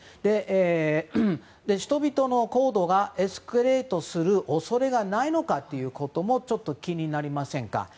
人々の行動がエスカレートすることはないのかということもちょっと気になりませんか。